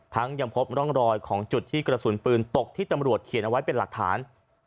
ยังพบร่องรอยของจุดที่กระสุนปืนตกที่ตำรวจเขียนเอาไว้เป็นหลักฐาน